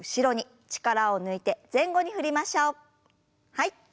はい。